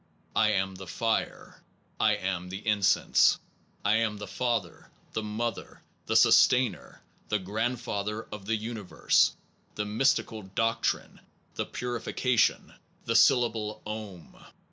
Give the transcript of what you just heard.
I am the fire. I am the incense. I am the father, the mother, the sustainer, the grandfather of the universe the mystic doc trine, the purification, the syllable "Om" .